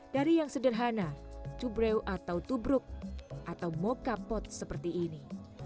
dari yang sederhana tubreu atau tubruk atau mokapot seperti ini